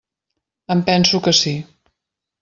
Em penso que sí.